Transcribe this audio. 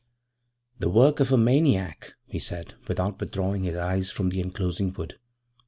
'The work of a maniac,' he said, without withdrawing his eyes from the enclosing wood.